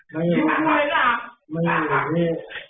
มันอยู่บ้านนี้ไง